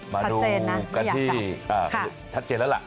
มาดูกันที่ชัดเจนแล้วล่ะ